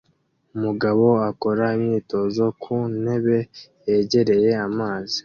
Umugabo akora imyitozo ku ntebe yegereye amazi